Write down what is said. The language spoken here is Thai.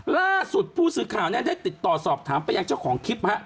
ล่าสุดผู้สื่อข่าวได้ติดต่อสอบถามไปยังเจ้าของคลิป